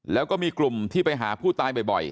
แล้วก็มีกลุ่มที่ไปหาผู้ตายบ่อย